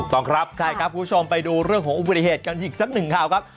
ต้องครับใช่ครับคุณผู้ชมไปดูเรื่องของอุบัติเหตุกันอีกสักหนึ่งข่าวครับ